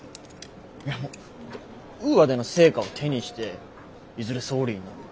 いやウーアでの成果を手にしていずれ総理になる。